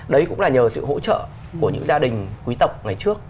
đấy cũng là nhờ sự hỗ trợ của những gia đình quý tộc ngày trước